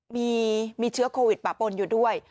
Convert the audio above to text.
มีเชื้อโควิดปะปนอยู่ด้วย